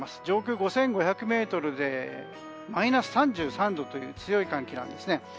上空５５００ｍでマイナス３３度という強い寒気なんですね。